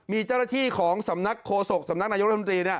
มีเจ้าหน้าที่ของสำนักโฆษกสำนักนายกรรมตรี